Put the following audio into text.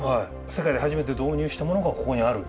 世界で初めて導入したものがここにある。